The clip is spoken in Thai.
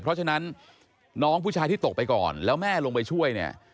เพราะฉะนั้นน้องผู้ชายที่ตกไปก่อนแล้วแม่ลงไปช่วยเนี่ย